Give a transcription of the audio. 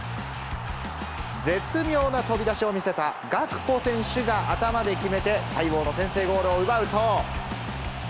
絶妙な飛び出しを見せたガクポ選手が頭で決めて、待望の先制ゴールを奪うと。